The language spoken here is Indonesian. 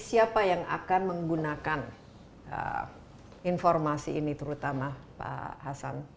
siapa yang akan menggunakan informasi ini terutama pak hasan